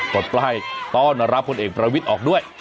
ปลดป้ายต้อนรับผลเอกประวิทย์ออกด้วย